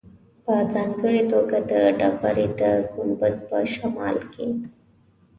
په ځانګړې توګه د ډبرې د ګنبد په شمال کې.